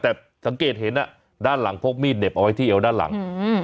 แต่สังเกตเห็นอ่ะด้านหลังพกมีดเหน็บเอาไว้ที่เอวด้านหลัง